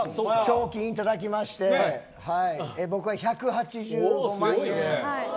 賞金いただきまして僕が１８５万円。